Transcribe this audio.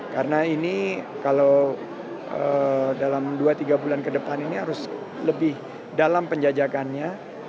karena ini kalau dalam dua tiga bulan ke depan ini harus lebih dalam penjajakannya